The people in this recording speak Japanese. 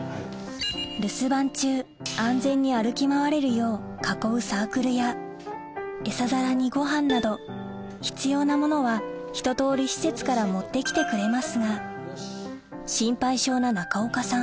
留守番中安全に歩き回れるよう囲うサークルやエサ皿にごはんなど必要なものはひと通り施設から持って来てくれますが心配性な中岡さん